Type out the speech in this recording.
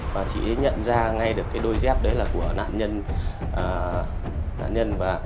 và chị ấy nhận ra ngay được cái đôi dép đấy là của nạn nhân